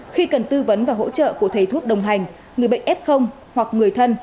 khi cần tư vấn và hỗ trợ của thầy thuốc đồng hành người bệnh f hoặc người thân